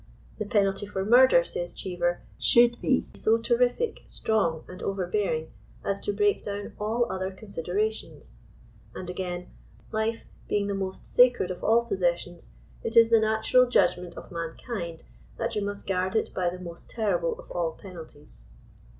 The penalty for murder, sayft Cheever, should be *« so terrific, strong and over bearing, as to break down all other considerations/' And again, *Mife being the most sacred of all possessions, it is the natural judg ment of mankind that you must guard it by the most terrible of ail penalties.